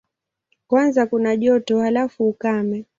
Kwanza kuna joto, halafu ukame.